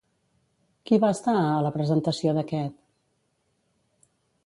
Qui va estar a la presentació d'aquest?